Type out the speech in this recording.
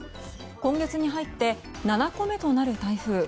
今月に入って７個目となる台風。